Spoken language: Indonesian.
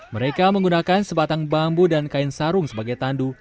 mereka menggunakan sebatang bambu dan kain sarung sebagai tandu